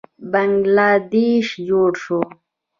بنګله دیش جوړ شو.